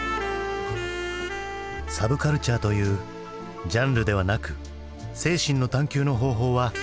サブカルチャーというジャンルではなく精神の探究の方法は終わらない。